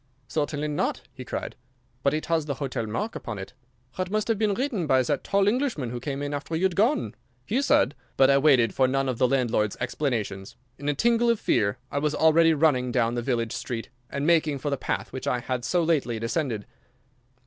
"Certainly not!" he cried. "But it has the hotel mark upon it! Ha, it must have been written by that tall Englishman who came in after you had gone. He said—" But I waited for none of the landlord's explanations. In a tingle of fear I was already running down the village street, and making for the path which I had so lately descended.